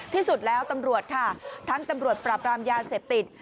ที่สุดแล้วตำรวจค่ะทั้งตำรวจปราบรามยาเสพติด